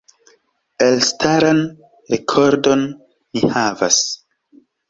Elstaran rekordon ni havas.